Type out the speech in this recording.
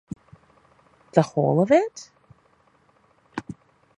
The whole of it?